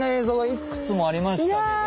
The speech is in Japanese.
ぞうがいくつもありましたけど。